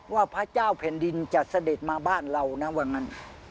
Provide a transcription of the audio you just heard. ว่าพระเจ้าแผ่นดินจะเสด็จมาบ้านเรานะว่างั้น